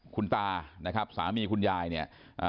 คุณตานะครับสามีคุณยายเนี่ยอ่า